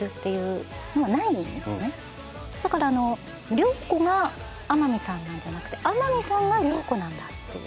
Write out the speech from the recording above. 涼子が天海さんなんじゃなくて天海さんが涼子なんだっていう。